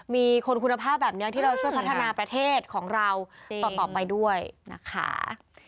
มีคนคุณภาพแบบนี้ที่เราช่วยพัฒนาประเทศของเราต่อไปด้วยนะคะ